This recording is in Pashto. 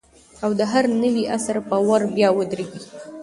او د هر نوي عصر پر ور بیا ودرېږي